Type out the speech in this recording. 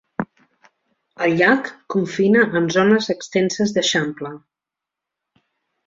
El llac confina amb zones extenses d'eixample.